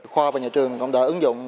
khoa và nhà trường cũng đã ứng dụng